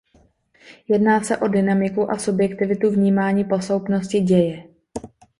Jedná se o dynamiku a subjektivitu vnímání posloupnosti děje.